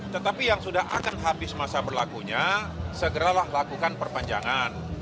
tetapi yang sudah akan habis masa berlakunya segeralah lakukan perpanjangan